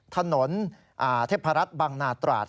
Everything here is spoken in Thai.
ถนทนเทพรัตน์บางนาตราต